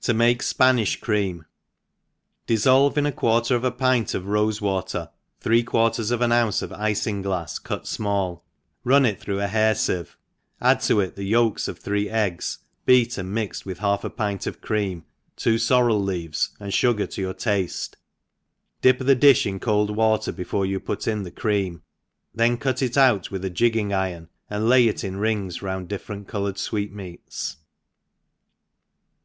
To make Spanish Cream. DISSOLVE In a quarter of a pint of rofc. water three quarters of an ounce of iiioglafs cut fmall, run it through a hair licve, add to it the yolks of three eggs, beat and mixed with half a pint of cream, two forrel leaves^ and fugar to your tafle, dip the difh in cold water before you put in the cream, then cut it out with a jigging iron, and lay it ii) rings round different coloured fweetmeats.